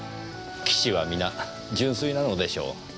棋士は皆純粋なのでしょう。